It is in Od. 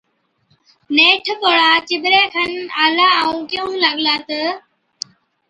نيٺ پوڙها چِٻري کن آلا ائُون ڪيهُون لاگلا تہ،